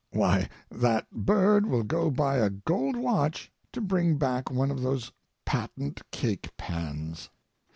Why, that bird will go by a gold watch to bring back one of those patent cake pans.